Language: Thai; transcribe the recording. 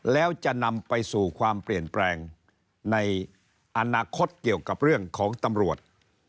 แล้วจะนำไปสู่ความเปลี่ยนแปลงในอนาคตเกี่ยวกับเรื่องของตำรวจ